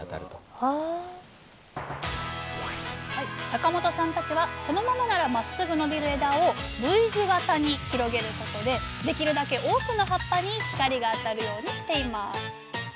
坂本さんたちはそのままならまっすぐ伸びる枝をＶ字型に広げることでできるだけ多くの葉っぱに光が当たるようにしています。